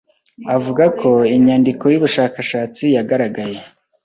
avuga ko inyandiko y'ubushakashatsi yagaragaye